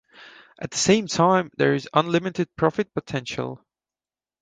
At the same time, there is unlimited profit potential.